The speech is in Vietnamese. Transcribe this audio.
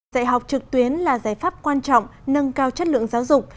dạy học trực tuyến là giải pháp quan trọng nâng cao chất lượng giáo dục